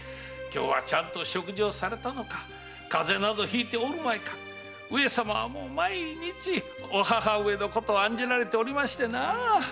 今日はちゃんと食事をされたのか風邪などひいておるまいか上様は毎日お母上のことを案じられておりましてな。